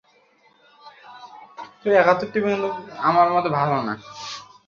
সরেজমিনে দেখা যায়, পঞ্চম শ্রেণির শিক্ষার্থীরা রোদের মধ্যে মাঠে বসে ক্লাস করছে।